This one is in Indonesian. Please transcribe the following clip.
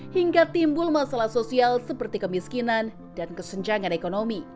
hingga timbul masalah sosial seperti kemiskinan dan kesenjangan ekonomi